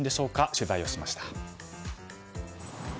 取材をしました。